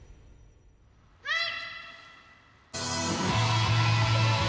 はい！